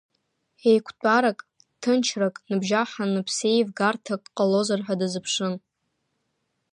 Еиқәтәарак, ҭынчрак ныбжьаҳаны, ԥсеивгарҭак ҟалозар ҳәа дазыԥшын.